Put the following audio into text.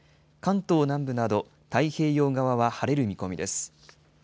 関東南部など、太平洋側は晴れる見込みです。